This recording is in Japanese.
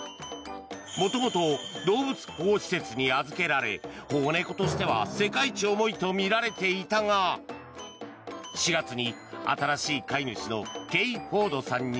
元々、動物保護施設に預けられ保護猫としては世界一重いとみられていたが４月に新しい飼い主のケイ・フォードさんに